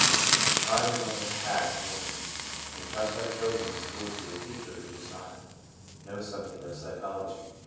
The time is almost past INTRODUCTION 9 when we entrust our children in school to a teacher who does not know something of psychology.